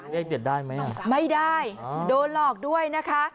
เลขเด็ดได้ไหมอ่ะไม่ได้โดนหลอกด้วยนะคะ